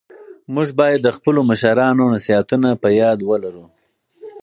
موږ بايد د خپلو مشرانو نصيحتونه په ياد ولرو.